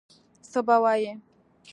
څه به وایي.